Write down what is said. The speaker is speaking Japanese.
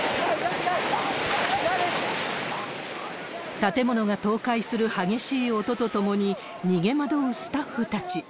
建物が倒壊する激しい音とともに、逃げ惑うスタッフたち。